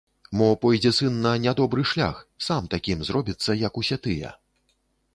Мо пойдзе сын на нядобры шлях, сам такім зробіцца, як усе тыя.